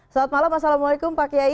selamat malam assalamualaikum pak kiai